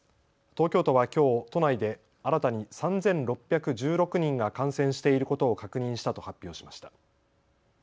東京都はきょう都内で新たに３６１６人が感染していることを確認したと発表しました。